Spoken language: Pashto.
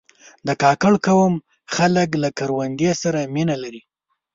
د کاکړ قوم خلک له کروندې سره مینه لري.